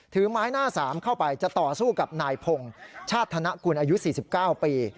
ถือไม้หน้า๓เข้าไปจะต่อสู้กับนายพงศ์ชาติธนกุลอายุ๔๙ปี